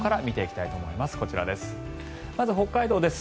こちらです。